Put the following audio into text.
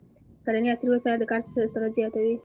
د کرنې عصري وسایل د کار سرعت زیاتوي.